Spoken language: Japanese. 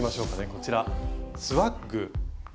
こちら「スワッグ」。